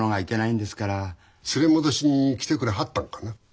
連れ戻しに来てくれはったのかな？